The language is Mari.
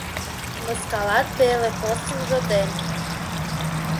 Мыскалат пеле порсынжо ден